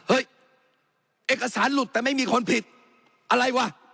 เอกสารหลุดแต่ไม่มีคนผิดอะไรวะ